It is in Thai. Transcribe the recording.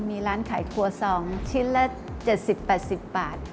มีร้านขายครัวซองชิ้นละ๗๐๘๐บาท